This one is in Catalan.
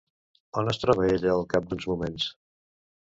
On es troba ella al cap d'uns moments?